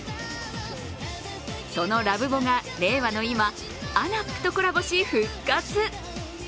そのラブボが令和の今、ＡＮＡＰとコラボし復活。